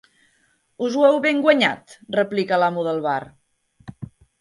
Us ho heu ben guanyat —replica l'amo del bar.